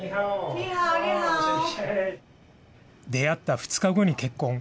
出会った２日後に結婚。